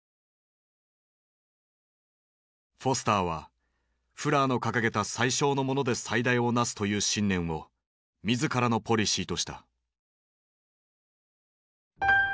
フォスターはフラーの掲げた「最小のもので最大をなす」という信念を自らのポリシーとした。